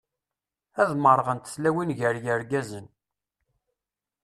Ad merrɣent tlawin gar yirgazen.